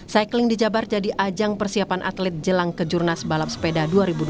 cycling di jabar jadi ajang persiapan atlet jelang kejurnas balap sepeda dua ribu dua puluh